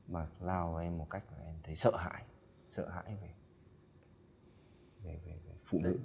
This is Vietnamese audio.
mà lao vào em một cách mà em thấy sợ hãi sợ hãi về về về phụ nữ